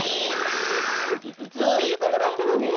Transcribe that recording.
そういうことだったのね。